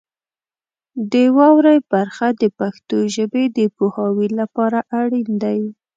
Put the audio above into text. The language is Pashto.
د واورئ برخه د پښتو ژبې د پوهاوي لپاره اړین دی.